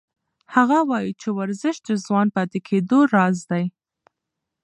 هغه وایي چې ورزش د ځوان پاتې کېدو راز دی.